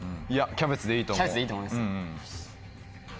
キャベツでいいと思います。